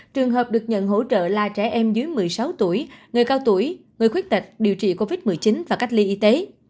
trường hợp được nhận hỗ trợ là trẻ em dưới một mươi sáu tuổi người cao tuổi người khuyết tật điều trị covid một mươi chín và cách ly y tế